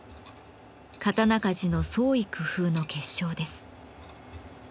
刀鍛冶の創意工夫の結晶です。